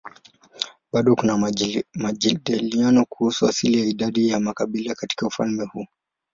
Bado kuna majadiliano kuhusu asili na idadi ya makabila katika ufalme huu.